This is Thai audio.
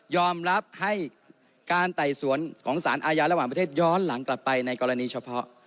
รับให้การไต่สวนของสารอาญาระหว่างประเทศย้อนหลังกลับไปในกรณีเฉพาะ